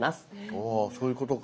あそういうことか。